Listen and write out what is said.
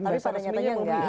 tapi pada nyatanya nggak